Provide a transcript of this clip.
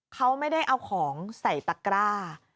เขาไม่ได้เอาของใส่ตะกร้า